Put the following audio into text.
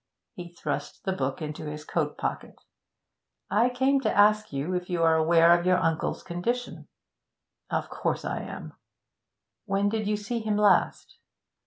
He thrust the book into his coat pocket. 'I came to ask you if you are aware of your uncle's condition.' 'Of course I am. 'When did you see him last?'